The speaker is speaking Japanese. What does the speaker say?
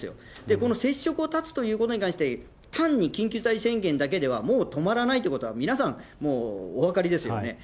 この接触を断つということに関して、単に緊急事態宣言だけではもう止まらないということは、皆さん、もうお分かりですよね。